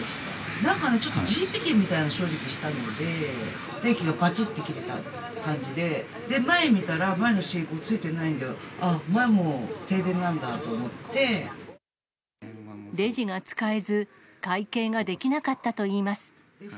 なんかちょっと地響きみたいのしたんで、電気がばちっと切れた感じで、前見たら、前の信号ついてないんで、ああ、レジが使えず、会計ができなかったといいます。